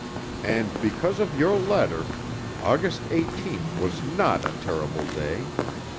And because of your letter, August 18th was not a terrible day.